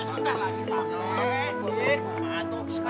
eh bayangku sini ngurusin lima